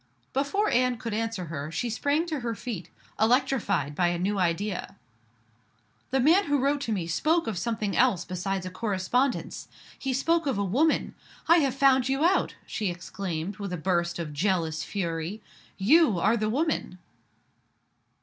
Before Anne could answer her, she sprang to her feet, electrified by a new idea. "The man who wrote to me spoke of something else besides a correspondence. He spoke of a woman. I have found you out!" she exclaimed, with a burst of jealous fury. "You are the woman!"